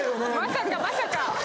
まさかまさか。